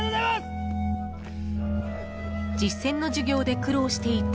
［実践の授業で苦労していた］